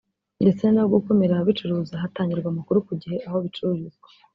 ndetse no gukumira ababicuruza hatangirwa amakuru ku gihe aho bicururizwa